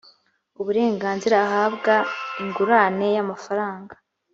uburenganzira ahabwa ingurane y amafaranga